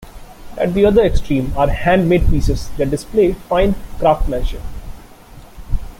At the other extreme are handmade pieces that display fine craftsmanship.